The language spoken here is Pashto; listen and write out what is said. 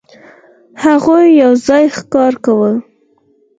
هغوی یو ځای ښکار کاوه.